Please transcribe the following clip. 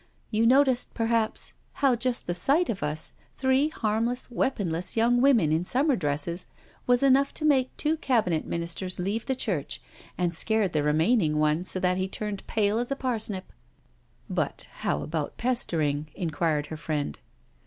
You noticed, perhaps, how just the 202 NO SURRENDER sight of us, three harmless, weaponless young women in summer dresses, was enough to make two Cabinet Ministers leave the church, and scared the remaining one so that he turned pale as a parsnip." " But how about pestering?" inquired her friend.